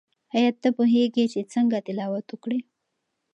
آیا ته پوهیږې چې څنګه تلاوت وکړې؟